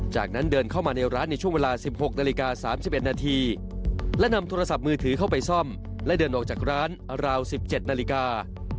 จากนั้นเดินเข้ามาในร้านในช่วงเวลา๑๖นาฬิกา๓๑นาทีและนำโทรศัพท์มือถือเข้าไปซ่อมและเดินออกจากร้านราว๑๗นาฬิกา